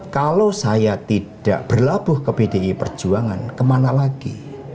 kalau saya tidak berlabuh ke pdi perjuangan kemana lagi